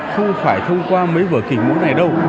không phải thông qua mấy vở kịch ngắn này đâu